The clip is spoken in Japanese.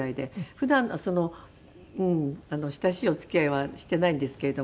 普段親しいお付き合いはしていないんですけれども。